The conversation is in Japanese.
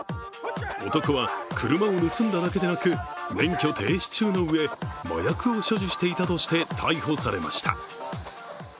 男は車を盗んだだけでなく免許停止中のうえ、麻薬を所持していたとして逮捕されました。